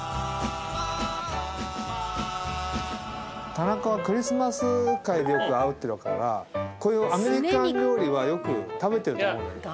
田中はクリスマス会でよく会ってるからこういうアメリカン料理はよく食べてると思う。